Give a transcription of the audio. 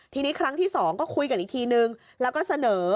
ทีนี้ครั้งที่๒ก็คุยกันอีกทีนึงแล้วก็เสนอ